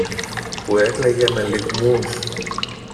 που έκλαιγε με λυγμούς.